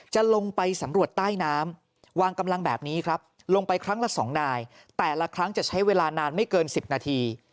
จะลงไปสำรวจใต้น้ำวางกำลังแบบนี้ครับลงไปครั้งละ๒นายแต่ละครั้งจะใช้เวลานานไม่เกิน๑๐นาที